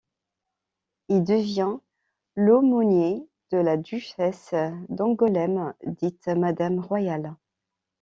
Il devient l'aumônier de la duchesse d'Angoulême, dite Madame Royale.